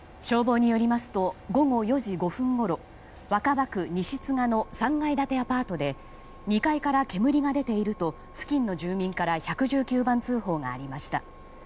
消防によりますと午後４時５分ごろ若葉区西都賀の３階建てアパートで２階から煙が出ていると付近の住民から１１９番通報がありました。